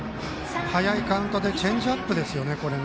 早いカウントでチェンジアップですね。